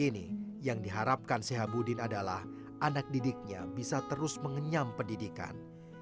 ini yang diharapkan sehabudin adalah anak didiknya bisa berjalan dengan semangat